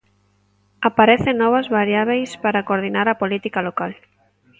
Aparecen novas variábeis para coordinar a política local.